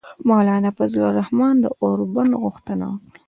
مولانا فضل الرحمان د اوربند غوښتنه وکړه.